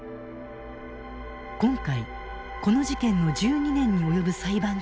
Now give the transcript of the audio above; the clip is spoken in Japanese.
今回この事件の１２年に及ぶ裁判記録を閲覧。